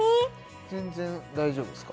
全然大丈夫ですか？